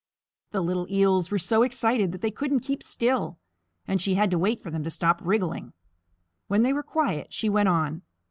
The little Eels were so excited that they couldn't keep still, and she had to wait for them to stop wriggling. When they were quiet, she went on.